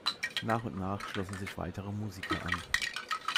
Nach und nach schlossen sich weitere Musiker an.